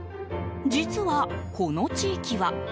実は、この地域は。